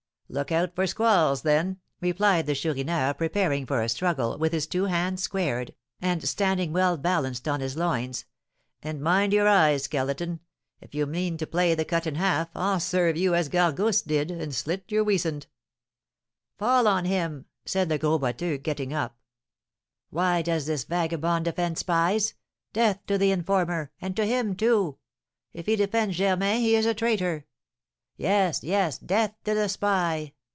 "Look out for squalls, then," replied the Chourineur, preparing for a struggle, with his two hands squared, and standing well balanced on his loins; "and mind your eye, Skeleton! If you mean to play the Cut in Half, I'll serve you as Gargousse did, and slit your weasand." "Fall on him!" said Le Gros Boiteux, getting up. "Why does this vagabond defend spies? Death to the informer, and to him, too! If he defends Germain he is a traitor!" "Yes, yes, death to the spy!